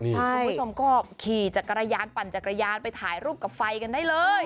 คุณผู้ชมก็ขี่จักรยานปั่นจักรยานไปถ่ายรูปกับไฟกันได้เลย